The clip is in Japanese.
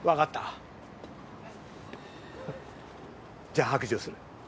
じゃあ白状する。